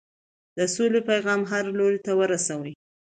د سولې پیغام هر لوري ته ورسوئ.